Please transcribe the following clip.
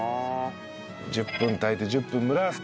１０分炊いて１０分蒸らす。